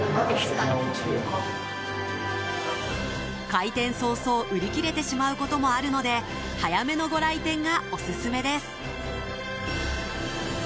開店早々売り切れてしまうこともあるので早めのご来店がオススメです！